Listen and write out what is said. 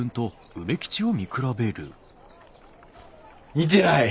似てない。